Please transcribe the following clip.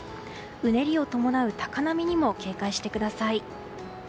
うねりを伴う高波にも警戒してください。